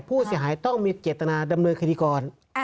ผู้เสียหายต้องมีเจตนาดำเนินคดีก่อน